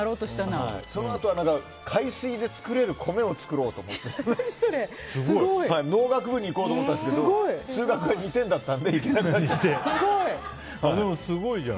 そのあとは海水で作れる米を作ろうと思って農学部に行こうと思ったんですけど数学が２点だったのででもすごいじゃん。